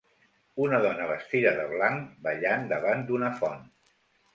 Una dona vestida de blanc ballant davant d'una font.